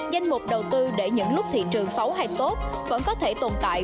danh mục đầu tư để những lúc thị trường xấu hay tốt vẫn có thể tồn tại